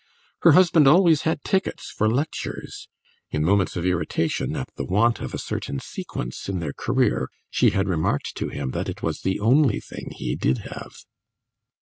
Her husband always had tickets for lectures; in moments of irritation at the want of a certain sequence in their career, she had remarked to him that it was the only thing he did have.